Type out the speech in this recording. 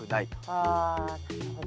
あなるほど。